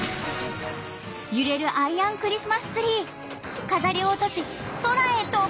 アイアンクリスマスツリーが。